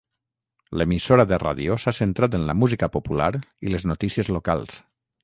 L'emissora de ràdio s'ha centrat en la música popular i les notícies locals.